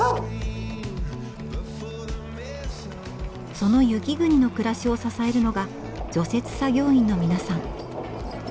その雪国の暮らしを支えるのが除雪作業員の皆さん。